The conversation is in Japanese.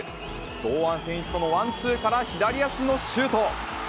堂安選手とのワンツーから左足のシュート。